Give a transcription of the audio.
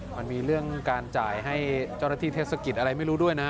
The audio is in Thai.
มันมีเรื่องการจ่ายให้เจ้าหน้าที่เทศกิจอะไรไม่รู้ด้วยนะ